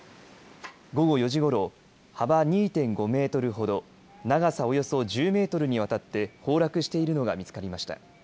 午後４時ごろ幅２．５メートルほど長さおよそ１０メートルにわたって崩落しているのが見つかりました。